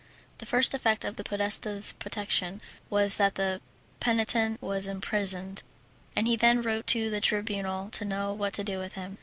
The first effect of the podesta's protection was that the penitent was imprisoned, and he then wrote to the Tribunal to know what to do with him.